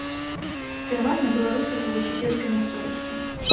Пераважна беларусы жывуць у сельскай мясцовасці.